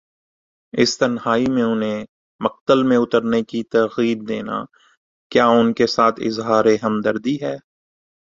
اس تنہائی میں انہیں مقتل میں اترنے کی ترغیب دینا، کیا ان کے ساتھ اظہار ہمدردی ہے؟